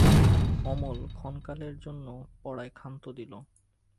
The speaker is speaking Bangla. অমল ক্ষণকালের জন্য পড়ায় ক্ষান্ত দিল।